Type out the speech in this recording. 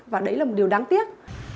và đấy là một điều đáng tiếc